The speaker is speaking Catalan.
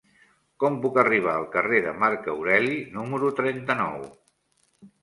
Com puc arribar al carrer de Marc Aureli número trenta-nou?